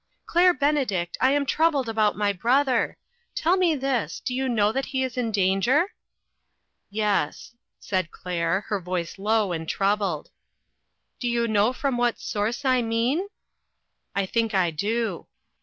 Claire Benedict, I am troubled about my brother. Tell me this, do you know that he is in danger ?" "Yes," said Claire, her voice low and troubled. " Do you know from what source I mean ?"" I think I do."